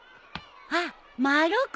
あっ丸尾君。